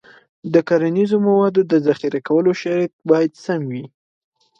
د کرنیزو موادو د ذخیره کولو شرایط باید سم وي.